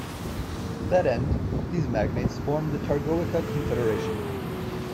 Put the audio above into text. To that end these magnates formed the Targowica Confederation.